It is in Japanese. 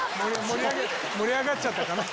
盛り上がっちゃったかな。